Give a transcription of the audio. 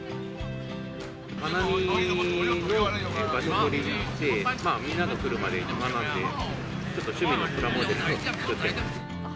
花見の場所取りに来て、みんなが来るまで暇なんで、ちょっと趣味のプラモデルを作っています。